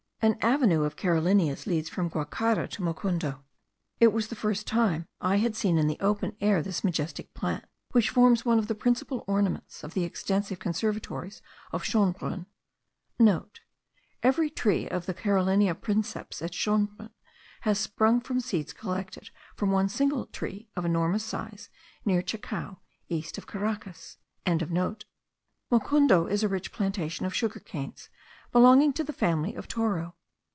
An avenue of carolineas leads from Guacara to Mocundo. It was the first time I had seen in the open air this majestic plant, which forms one of the principal ornaments of the extensive conservatories of Schonbrunn.* (* Every tree of the Carolinea princeps at Schonbrunn has sprung from seeds collected from one single tree of enormous size, near Chacao, east of Caracas.) Mocundo is a rich plantation of sugar canes, belonging to the family of Toro.